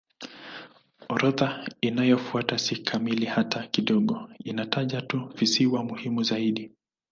Orodha inayofuata si kamili hata kidogo; inataja tu visiwa muhimu zaidi.